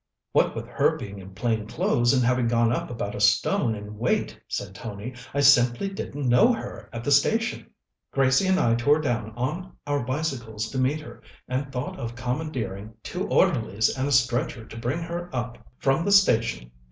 "What with her being in plain clothes, and having gone up about a stone in weight," said Tony, "I simply didn't know her at the station. Gracie and I tore down on our bicycles to meet her, and thought of commandeering two orderlies and a stretcher to bring her up from the station.